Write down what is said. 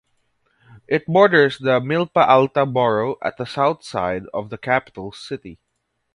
It borders the Milpa Alta borough at the south side of the capital city.